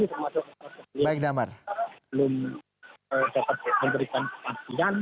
termasuk kementrian sosial belum dapat memberikan pengertian